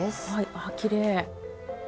あきれい。